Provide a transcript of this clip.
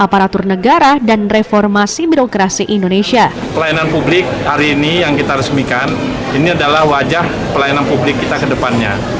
pelayanan publik hari ini yang kita resmikan ini adalah wajah pelayanan publik kita ke depannya